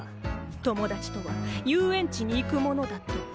友達とは遊園地に行くものだと。